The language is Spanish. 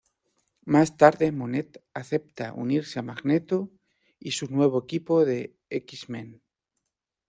Más tarde, Monet acepta unirse a Magneto y su nuevo equipo de X-Men.